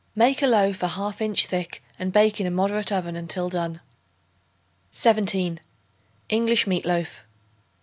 Make a loaf a half inch thick and bake in a moderate oven until done. 17. English Meat Loaf.